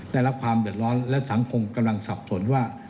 ได้รับความเดือดร้อนและสังคมกำลังสับสนว่า